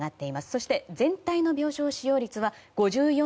そして全体の病床使用率は５４．２％。